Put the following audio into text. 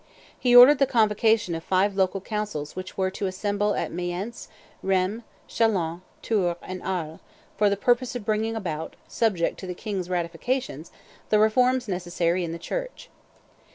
He ordered the convocation of five local councils which were to assemble at Mayence, Rheims, Chalons, Tours, and Arles, for the purpose of bringing about, subject to the king's ratification, the reforms necessary in the Church.